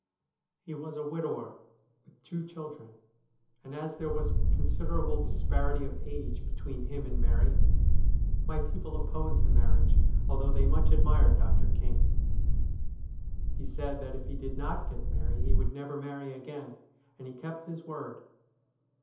He was a widower with two children, and, as there was considerable disparity of THE STORY OF A HANGED MAN 291 age between him and Mary, my people opposed the marriage, although they much admired Dr. King. He said that if he did not get Mary he would never marry again, and he kept his word.